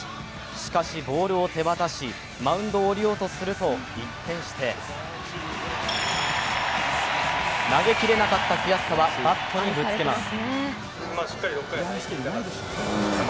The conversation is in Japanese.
しかし、ボールを手渡し、マウンドを降りようとすると一転して投げきれなかった悔しさはバットにぶつけます。